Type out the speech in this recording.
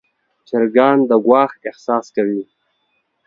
چرګان د ګواښ احساس کوي.